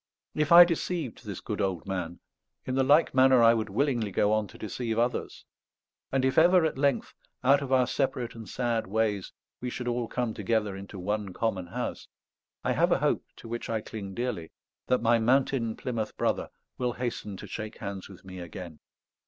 If I deceived this good old man, in the like manner I would willingly go on to deceive others. And if ever at length, out of our separate and sad ways, we should all come together into one common house, I have a hope, to which I cling dearly, that my mountain Plymouth Brother will hasten to shake hands with me again.